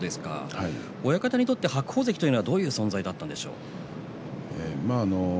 親方にとって白鵬関というのはどういう存在だったんでしょう？